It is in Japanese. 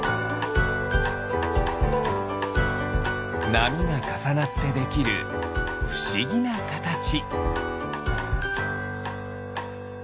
なみがかさなってできるふしぎなかたち。